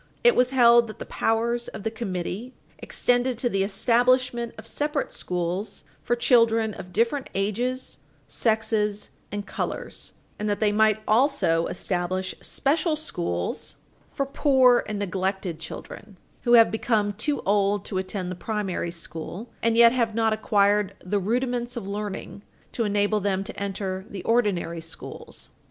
It was held that the powers of the committee extended to the establishment of separate schools for children of different ages, sexes and colors, and that they might also establish special schools for poor and neglected children, who have become too old to attend the primary school and yet have not acquired the rudiments of learning to enable them to enter the ordinary schools.